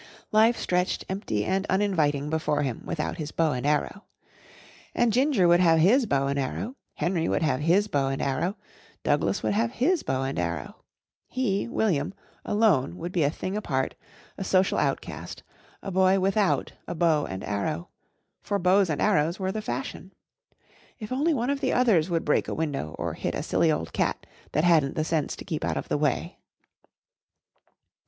Life stretched empty and uninviting before him without his bow and arrow. And Ginger would have his bow and arrow, Henry would have his bow and arrow, Douglas would have his bow and arrow. He, William, alone would be a thing apart, a social outcast, a boy without a bow and arrow; for bows and arrows were the fashion. If only one of the others would break a window or hit a silly old cat that hadn't the sense to keep out of the way.